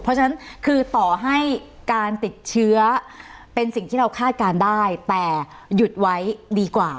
เพราะฉะนั้นคือต่อให้การติดเชื้อเป็นสิ่งที่เราคาดการณ์ได้แต่หยุดไว้ดีกว่า